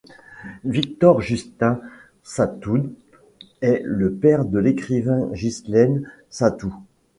Victor-Justin Sathoud est le père de l'écrivaine Ghislaine Sathoud.